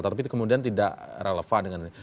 tapi kemudian tidak relevan dengan ini